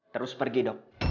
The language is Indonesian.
terus pergi dok